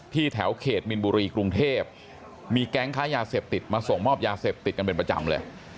แถวเขตมินบุรีกรุงเทพมีแก๊งค้ายาเสพติดมาส่งมอบยาเสพติดกันเป็นประจำเลย